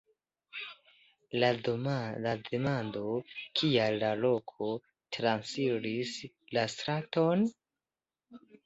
La demando "Kial la koko transiris la straton?